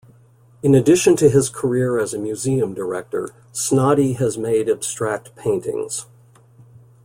In addition to his career as a museum director, Snoddy has made abstract paintings.